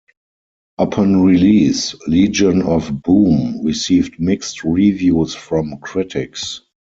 Upon release, "Legion of Boom" received mixed reviews from critics.